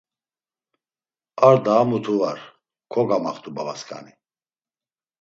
Ar daa mutu var, kogamaxt̆u babasǩani.